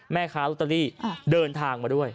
แม่ค้าลอตเตอรี่เดินทางมาด้วย